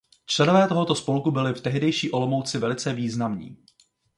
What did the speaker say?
Členové tohoto spolku byly v tehdejší Olomouci velice významní.